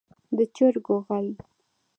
د چرګو غل.